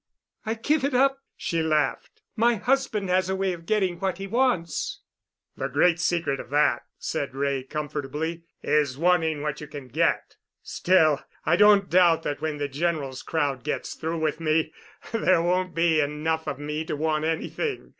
"I give it up," she laughed. "My husband has a way of getting what he wants." "The great secret of that," said Wray comfortably, "is wanting what you can get. Still, I don't doubt that when the General's crowd gets through with me there won't be enough of me to want anything.